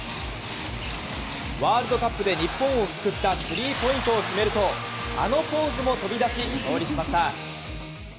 ワールドカップで日本を救ったスリーポイントを決めるとあのポーズも飛び出し勝利しました。